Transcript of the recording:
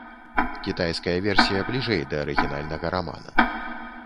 Кітайская версія бліжэй да арыгінальнага рамана.